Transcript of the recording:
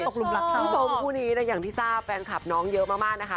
กลุ่มหลักคุณผู้ชมคู่นี้อย่างที่ทราบแฟนคลับน้องเยอะมากนะคะ